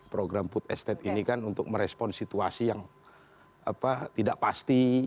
program food estate ini kan untuk merespon situasi yang tidak pasti